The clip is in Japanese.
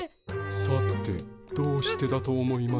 さてどうしてだと思いますか？